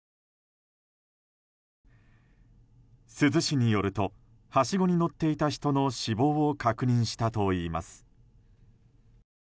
珠洲市によるとはしごに乗っていた人の死亡を確認したといいます。